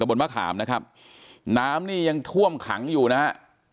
บนมะขามนะครับน้ำนี่ยังท่วมขังอยู่นะฮะ